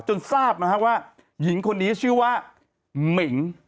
จนทราบว่าหญิงคนนี้ชื่อว่ามหิ่ง